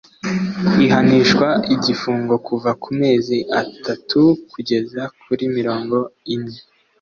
Ahanishwa igifungo kuva ku mezi atatu kugeza kuri mirongo ine